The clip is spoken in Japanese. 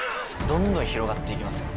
どんどん広がって行きますよ